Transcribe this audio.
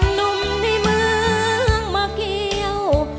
หนุ่มในเมืองมาเกี่ยว